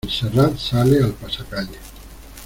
La Montserrat sale al pasacalle.